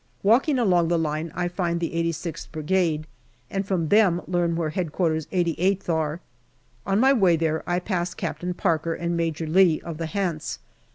Walking along the line, I find the 86th Brigade, and from them learn where H.Q, 88th are. On my way there I pass Captain Parker and Major Lee, of the Hants.